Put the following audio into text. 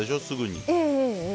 すぐに。